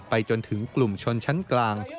จนถึงกลุ่มชนชั้นกลาง